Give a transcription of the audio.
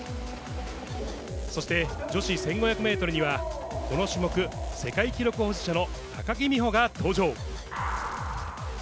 そして、女子１５００メートルには、この種目、世界記録保持者の高木美帆が登場。